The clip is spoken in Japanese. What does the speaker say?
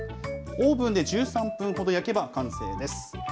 オーブンで１３分ほど焼けば完成です。